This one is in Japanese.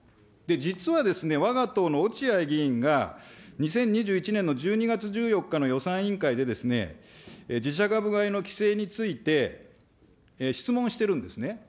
実は、わが党のおちあい議員が、２０２１年の１２月１４日の予算委員会で、自社株買いの規制について、質問してるんですね。